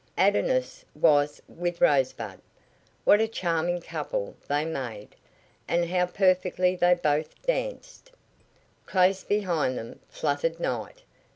Adonis was with Rosebud. What a charming couple they made! And how perfectly they both danced! Close beside them fluttered Night.